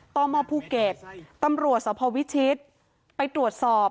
ตมภูเก็ตตำรวจสพวิชิตไปตรวจสอบ